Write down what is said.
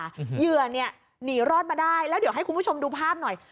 เหยื่อเนี่ยหนีรอดมาได้แล้วเดี๋ยวให้คุณผู้ชมดูภาพหน่อย